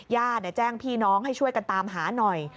ญาติแจ้งพี่น้องให้ช่วยกันตามหาหน่อย